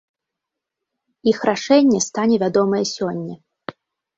Іх рашэнне стане вядомае сёння.